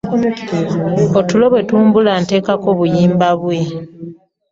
Otulo bwe tumbula nteekako buyimba bwe.